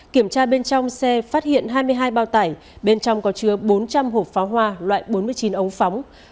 kiểm tra bên trong xe phát hiện hai mươi hai bao tải bên trong có chứa bốn trăm linh hộp pháo hoa loại bốn mươi chín ống phóng